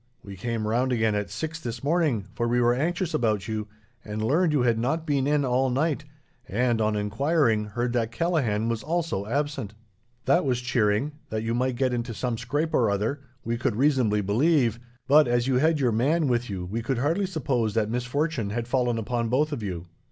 We came round again at six this morning, for we were anxious about you, and learned you had not been in all night, and, on enquiring, heard that Callaghan was also absent. "That was cheering. That you might get into some scrape or other, we could reasonably believe; but, as you had your man with you, we could hardly suppose that misfortune had fallen upon both of you."